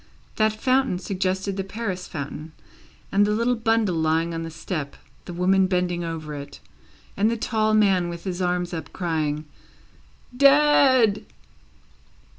That fountain suggested the Paris fountain, the little bundle lying on the step, the women bending over it, and the tall man with his arms up, crying, "Dead!"